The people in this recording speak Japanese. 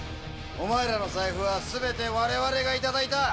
お前らの財布は全て我々が頂いた！